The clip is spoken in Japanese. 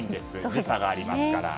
時差がありますから。